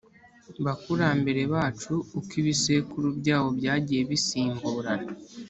bakurambere bacu uko ibisekuru byabo byagiye bisimburana.